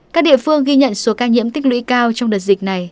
các địa phương ghi nhận số ca nhiễm tích lũy cao trong đợt dịch này